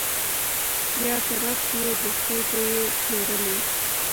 یا په رپ کي یې د سترګو یې پلورلی